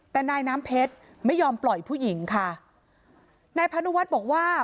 แต่นายน้ำเพชรไม่ยอมปล่อยผู้หญิงค่ะนายพานุวัฒน์บอกว่า